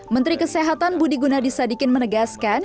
menteri kesehatan budi gunadisadikin menegaskan